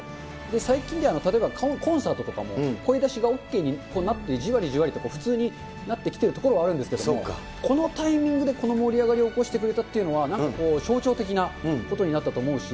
最近では、例えばコンサートとかも、声出しがＯＫになって、じわりじわりと普通になってきているところはあるんですけれども、このタイミングでこの盛り上がりを起こしてくれたっていうのは、なんかこう、象徴的なことになったと思うし。